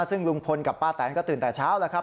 ซึ่งลุงพลกับป้าแตนก็ตื่นแต่เช้าแล้วครับ